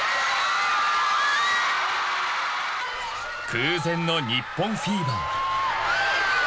［空前の日本フィーバー］